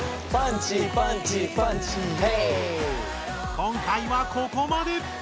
今回はここまで！